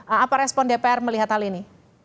apa respon dpr melihat hal ini